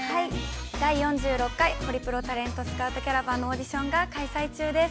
◆第４６回ホリプロタレントスカウトキャラバンオーディションが開催中です。